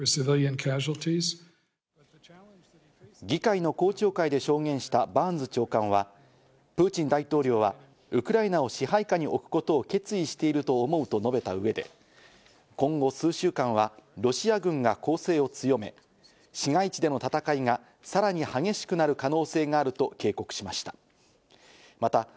議会の公聴会で証言したバーンズ長官はプーチン大統領はウクライナを支配下に置くことを決意していると思うと述べた上で、今後数週間はロシア軍が攻勢を強め、市街地での戦いがさらに激しくなる可能性があると警告しました。